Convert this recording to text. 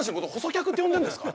客って呼んでるんですか？